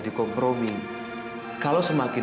dikompromi kalau semakin